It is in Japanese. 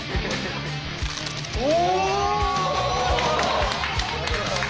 お！